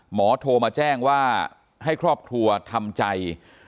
โทรมาแจ้งว่าให้ครอบครัวทำใจ